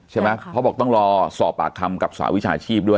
เขาบอกต้องรอสอบปากคำกับสหวิชาชีพด้วย